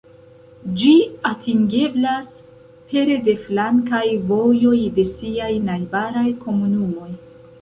Ĝi atingeblas pere de flankaj vojoj de siaj najbaraj komunumoj.